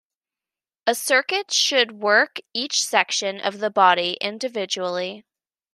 A circuit should work each section of the body individually.